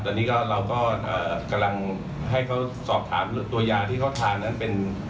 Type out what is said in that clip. ตอนนี้ก็เราก็กำลังให้เขาสอบถามตัวยาที่เขาทานนั้นเป็น